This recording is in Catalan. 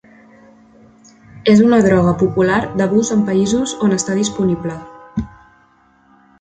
És una droga popular d'abús en països on està disponible.